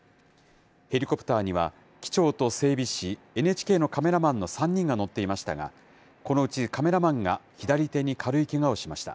ヘリコプターには、機長と整備士、ＮＨＫのカメラマンの３人が乗っていましたが、このうちカメラマンが左手に軽いけがをしました。